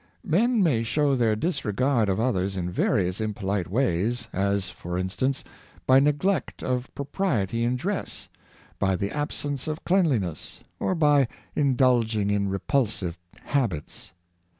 Men may show their disregard of others in various impolite v\^ays, as, for instance, by neglect of propriety in dress, by the absence of cleanliness, or by indulg ing in repulsive habits.